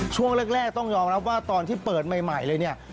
ช่วงแรกต้องยอมรับว่าตอนที่เปิดใหม่เลยเนี่ย